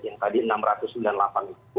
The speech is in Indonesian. yang tadi rp enam ratus sembilan puluh delapan